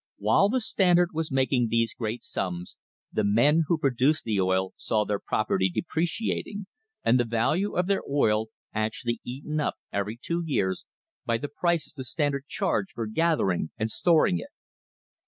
While the Standard was making these great sums, the men who produced the oil saw their property depreciating, and the value of their oil actually eaten up every two years by the prices the Standard charged for gathering and storing it.